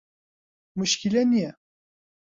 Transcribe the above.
موشکیلە نیە.